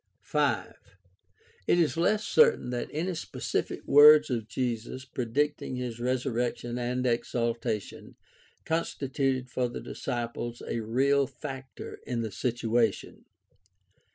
5. It is less certain that any specific words of Jesus pre dicting his resurrection and exaltation constituted for the disciples a real factor in the situation.